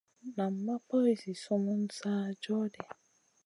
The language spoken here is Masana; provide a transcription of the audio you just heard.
Nan ma poy zi sumun sa joh ɗi.